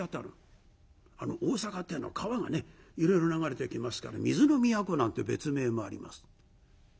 あの大阪っていうの川がねいろいろ流れてきますから水の都なんて別名もあります。